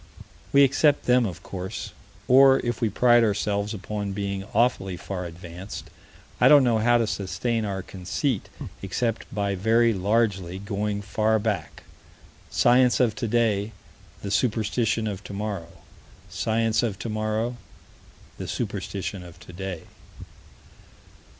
We accept them, of course. Or, if we pride ourselves upon being awfully far advanced, I don't know how to sustain our conceit except by very largely going far back. Science of today the superstition of tomorrow. Science of tomorrow the superstition of today.